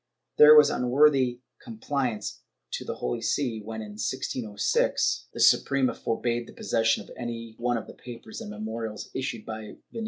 ^ There was unworthy com plaisance to the Holy See when, in 1606, the Suprema forbade the possession by any one of the papers and memorials issued by > MSS.